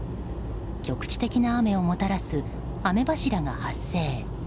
局地的な雨をもたらす雨柱が発生。